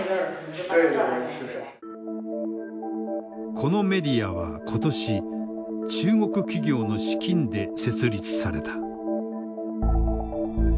このメディアは今年中国企業の資金で設立された。